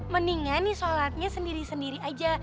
mendingan nih sholatnya sendiri sendiri aja